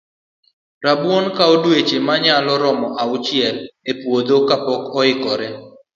Rabuon kawo dueche manyalo romo auchiel e puodho ka pok oikore